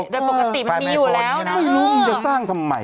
ด้วยปกติมันมีอยู่แล้วไม่รู้จะสร้างทำไม